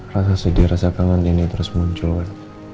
rasa sedih rasa kangen ini terus muncul